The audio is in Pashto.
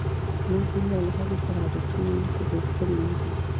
موږ دومره له هغوی سره عادی شوي یو، چې هېر کړي مو دي.